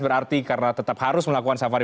berarti karena tetap harus melakukan safari